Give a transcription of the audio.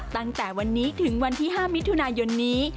ตั้งแต่วันนี้ถึงวันที่๕มิถุนายนนี้